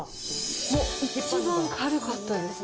一番軽かったです。